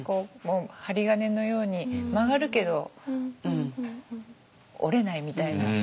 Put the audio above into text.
針金のように曲がるけど折れないみたいな。